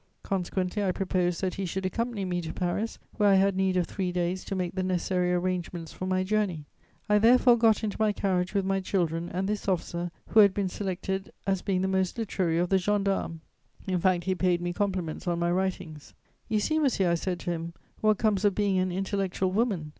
Consequently I proposed that he should accompany me to Paris, where I had need of three days to make the necessary arrangements for my journey. I therefore got into my carriage with my children and this officer, who had been selected as being the most literary of the gendarmes. In fact, he paid me compliments on my writings. "'You see, monsieur,' I said to him, 'what comes of being an intellectual woman.